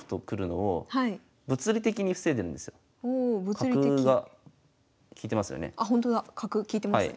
おお物理的？角が利いてますよね？